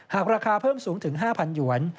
หากราคาเพิ่มสูงถึง๕๐๐หยวน